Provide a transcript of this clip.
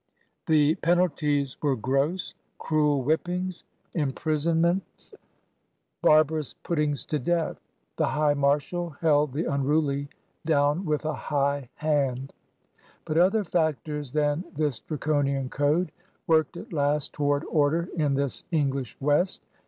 The penalties were gross — cruel whippings, imprison 80 PIONEEBS OF THE OLD SOUTH mentSy barbarous puttings to death. The High Marshal held the imruly down with a high hand. But other factors than this Draco^an code worked at last toward order in this English West.